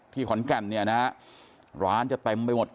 ขอนแก่นเนี่ยนะฮะร้านจะเต็มไปหมด